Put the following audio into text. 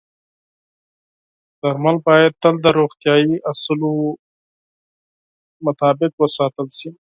درمل باید تل د روغتیايي اصولو مطابق وساتل شي.